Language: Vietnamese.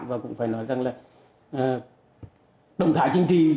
và cũng phải nói rằng là động thái chính trị